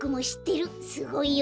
すごいよね。